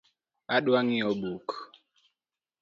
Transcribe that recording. Adwa ng’iewo buk